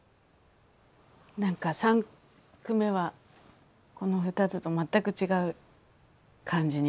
何か三句目はこの２つと全く違う感じに。